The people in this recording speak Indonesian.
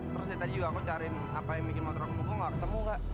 terus tadi aku cari apa yang bikin motoraku mogok gak ketemu kak